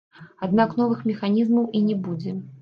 Аднак новых механізмаў і не будзе.